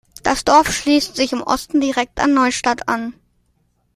Das Dorf schließt sich im Osten direkt an Neustadt an.